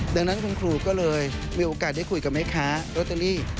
ดังนั้นคุณครูก็เลยมีโอกาสได้คุยกับแม่ค้าโรตเตอรี่